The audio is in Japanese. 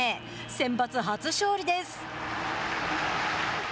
センバツ初勝利です。